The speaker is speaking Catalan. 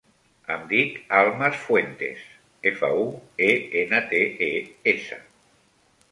Em dic Almas Fuentes: efa, u, e, ena, te, e, essa.